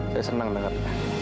saya senang denger